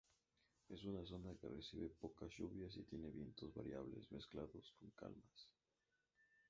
Es una zona que recibe pocas lluvias y tiene vientos variables mezclados con calmas.